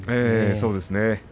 そうですね